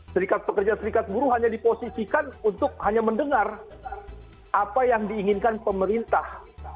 serikat pekerja serikat buruh hanya diposisikan untuk hanya mendengar apa yang diinginkan pemerintah